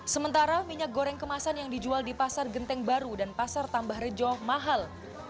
sementara minyak goreng kemasan yang dijual di pasar genteng baru dan pasar tambah rejo mahal